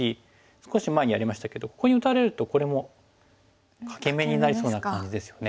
少し前にやりましたけどここに打たれるとこれも欠け眼になりそうな感じですよね。